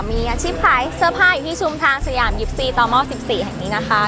มีอาชีพขายเสื้อผ้าอยู่ที่ชุมทางสยาม๒๔ต่อหม้อ๑๔แห่งนี้นะคะ